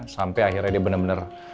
sampai akhirnya dia bener bener